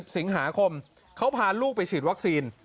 สิงหาคมเขาพาลูกไปฉีดวัคซีน